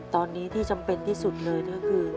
ตอนนี้ที่จำเป็นที่สุดเลยก็คือ